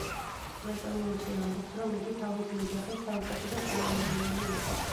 სვეტონიუსი ამბობს, რომ იგი თავისი ოჯახის საუკეთესო წარმომადგენელი იყო.